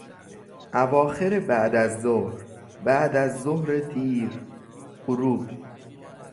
اواخر بعد از ظهر، بعد از ظهر دیر، غروب